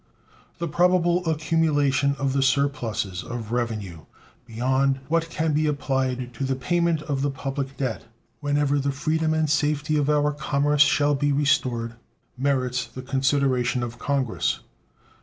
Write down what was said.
The probable accumulation of the surpluses of revenue beyond what can be applied to the payment of the public debt whenever the freedom and safety of our commerce shall be restored merits the consideration of Congress.